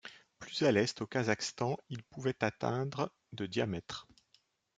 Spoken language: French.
Plus à l'est, au Kazakhstan, ils pouvaient atteindre de diamètre.